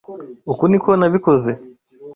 Uku niko nabikoze.